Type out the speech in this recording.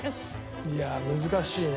いや難しいね。